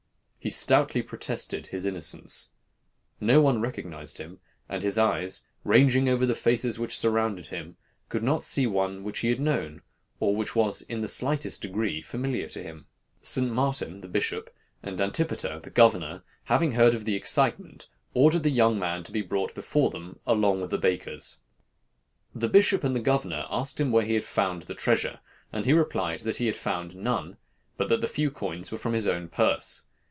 He stoutly protested his innocence. No one recognized him, and his eyes, ranging over the faces which surrounded him, could not see one which he had known, or which was in the slightest degree familiar to him. "St. Martin, the bishop, and Antipater, the governor, having heard of the excitement, ordered the young man to be brought before them, along with the bakers. "The bishop and the governor asked him where he had found the treasure, and he replied that he had found none, but that the few coins were from his own purse.